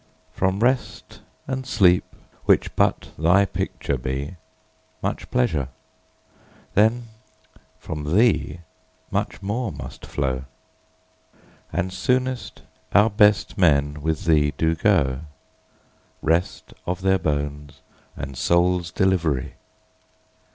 From Rest and Sleep, which but thy picture be, 5 Much pleasure, then from thee much more must flow; And soonest our best men with thee do go— Rest of their bones and souls' delivery!